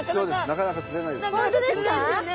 なかなか釣れないですよね。